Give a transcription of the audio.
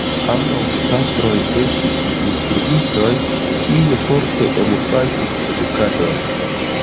Ambaŭ gepatroj estis instruistoj; kiuj forte emfazis edukadon.